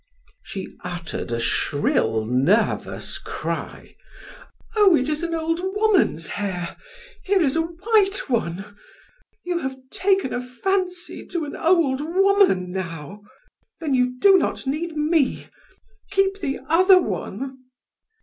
She uttered a shrill, nervous cry: "Oh, it is an old woman's hair here is a white one you have taken a fancy to an old woman now. Then you do not need me keep the other one."